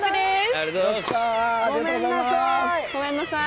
ありがとうございます。